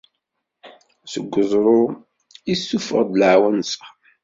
Seg uẓru, issufeɣ-d leɛwanser.